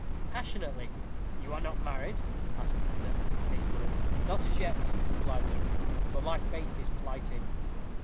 "Passionately." "You are not married?" asked Peter, hastily. "Not as yet," replied Luke; "but my faith is plighted."